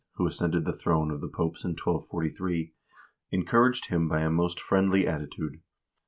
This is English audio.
who ascended the throne of the popes in 1243, encouraged him by a most friendly attitude.